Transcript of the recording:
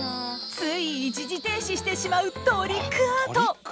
つい一時停止してしまうトリックアート。